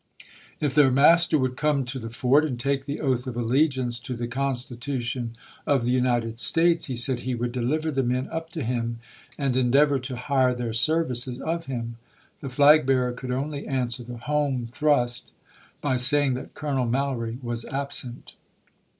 If their master would come to the fort and take the oath of allegiance to the Con stitution of the United States, he said he would dehver the men up to him, and endeavor to hire c^n^scJtt, their services of him. The flag bearer could only w^r^' voV. answer the home thrust by saying that Colonel "eso." Mallory was absent.